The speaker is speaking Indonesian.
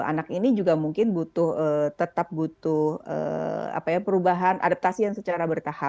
anak ini juga mungkin tetap butuh perubahan adaptasi yang secara bertahap